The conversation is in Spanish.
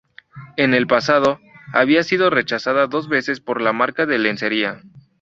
En el pasado, había sido rechazada dos veces por la marca de lencería.